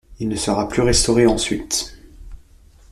Il ne sera plus restauré ensuite.